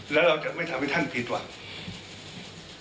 แล้วเราจะไม่ทำให้ท่านผิดหวัง